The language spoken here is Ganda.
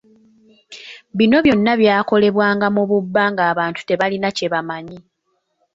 Bino byonna byakolebwanga mu bubba nga abantu tebalina kyebamanyi.